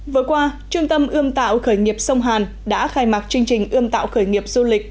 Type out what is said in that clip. vừa qua trung tâm ươm tạo khởi nghiệp sông hàn đã khai mạc chương trình ươm tạo khởi nghiệp du lịch